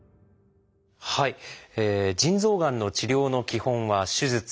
腎臓がんの治療の基本は手術。